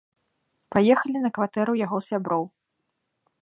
Паехалі на кватэру яго сяброў.